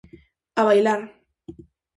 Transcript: A bailar.